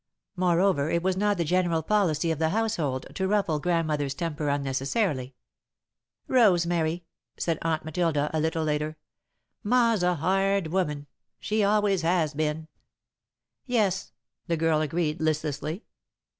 Moreover, it was not the general policy of the household to ruffle Grandmother's temper unnecessarily. "Rosemary," said Aunt Matilda, a little later; "Ma's a hard woman she always has been." "Yes," the girl agreed, listlessly.